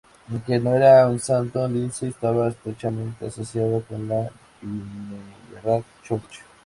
Aunque no era un santo, Lindsey estaba estrechamente asociado con la Vineyard Church.